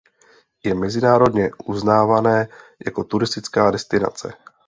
Je mezinárodně uznávané jako turistická destinace.